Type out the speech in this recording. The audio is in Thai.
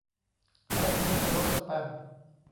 และไม่ช่วยลดสแปม